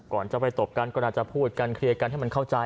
ก่อนจะไปตบกันก็น่าจะพูดกันเคลียร์กันให้มันเข้าใจ